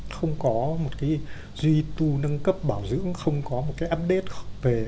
không có một cái duy tu nâng cấp bảo dưỡng không có một cái update